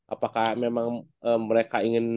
apakah memang mereka ingin